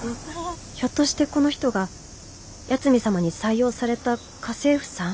ひょっとしてこの人が八海サマに採用された家政婦さん？